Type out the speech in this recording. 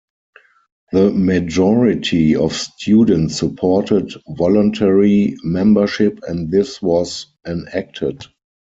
The majority of students supported voluntary membership and this was enacted.